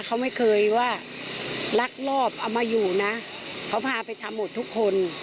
เขาไม่เคยว่าลักลอบเอามาอยู่นะเขาพาไปทำหมดทุกคน